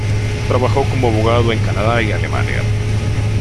Trabajó como abogado en Canadá y Alemania.